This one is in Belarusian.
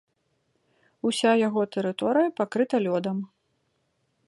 Уся яго тэрыторыя пакрыта лёдам.